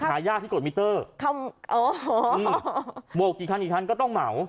หายากที่กดมิเตอร์เขาโอ้โหอืมโบกกี่คันอีกคันก็ต้องเหมา